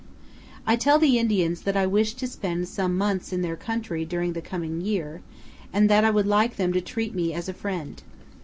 I tell the Indians that I wish to spend some months in their country during the coming year and that I would like them to treat me as a friend.